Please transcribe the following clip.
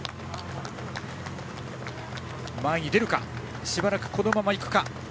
前に出るかしばらくこのままいくか。